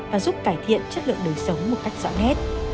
và giúp cải thiện chất lượng đời sống một cách rõ nét